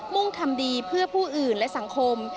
่งทำดีเพื่อผู้อื่นและสังคม